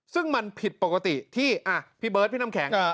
ซึ่งมันผิดปกติที่พี่เบิร์ดพี่น้ำแข็ง